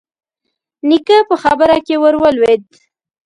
نيکه په خبره کې ور ولوېد: